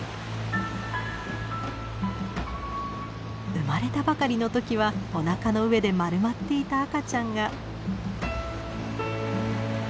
生まれたばかりの時はおなかの上で丸まっていた赤ちゃんが。